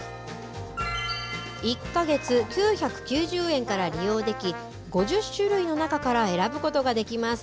１か月９９０円から利用でき５０種類の中から選ぶことができます。